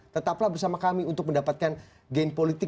tetaplah bersama kami untuk mendapatkan gain politik